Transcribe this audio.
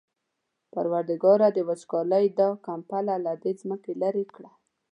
پروردګاره د وچکالۍ دا کمپله له دې ځمکې لېرې کړه.